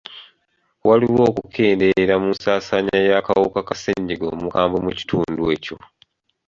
Waliwo okukendeera mu nsaasaana y'akawuka ka ssenyiga omukambwe mu kitundu ekyo.